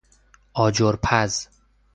آجر پز